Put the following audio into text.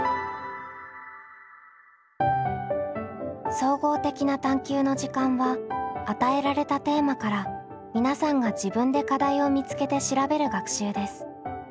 「総合的な探究の時間」は与えられたテーマから皆さんが自分で課題を見つけて調べる学習です。